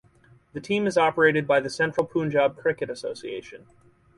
The team is operated by the Central Punjab Cricket Association.